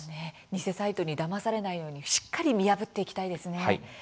偽サイトにだまされないようにしっかり見破っていきたいですね。